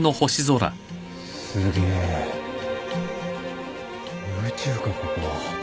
すげえ宇宙かここは。